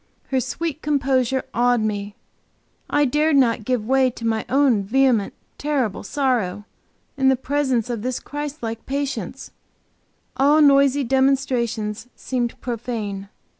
Her sweet composure awed me; I dared not give way to my own vehement, terrible sorrow; in the presence of this Christ like patience, all noisy demonstrations seemed profane.